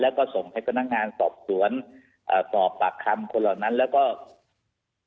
และก็สปอร์ตเรียนว่าคำน่าจะมีการล็อคกรมการสังขัดสปอร์ตเรื่องหน้าในวงการกีฬาประกอบสนับไทย